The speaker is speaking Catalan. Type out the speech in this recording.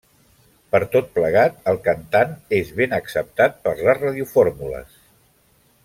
Per tot plegat, el cantant és ben acceptat per les radiofórmules.